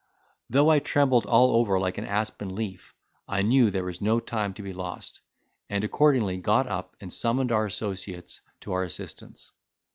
Though I trembled all over like an aspen leaf, I knew there was no time to be lost, and accordingly got up, and summoned our associates to our assistance.